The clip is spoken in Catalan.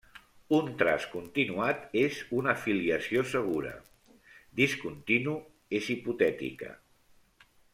Un traç continuat és una filiació segura, discontinu és hipotètica.